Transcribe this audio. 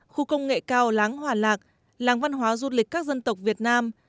khu công nghệ cao láng hòa lạc làng văn hóa du lịch các dân tộc việt nam